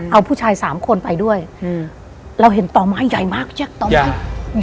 เอาผู้ชายสามคนไปด้วยเราเห็นต่อไม้ใหญ่มากเจี๊ยต่อไม้